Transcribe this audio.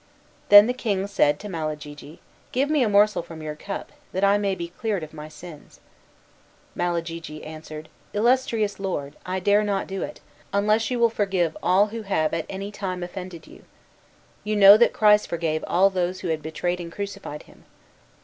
Then the king said to Malagigi, "Give me a morsel from your cup, that I may be cleared of my sins." Malagigi answered, "Illustrious lord, I dare not do it, unless you will forgive all who have at any time offended you. You know that Christ forgave all those who had betrayed and crucified him."